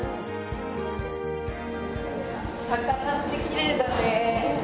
魚ってきれいだね。